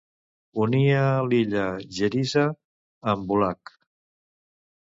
Unia l'illa Gezira amb Bulaq.